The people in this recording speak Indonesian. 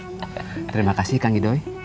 terima kasih kang idoi